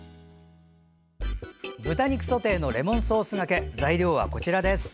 豚肉ソテーのレモンソースがけ材料はこちらです。